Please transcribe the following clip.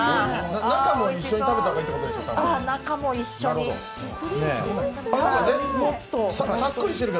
中も一緒に食べた方がいいということですか。